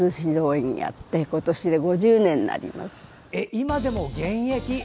今でも現役？